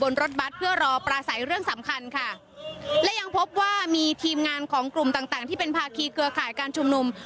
และยังพบว่ามีทีมงานของกลุ่มต่างต่างที่เป็นภาคีเกลือข่ายการชุมนุม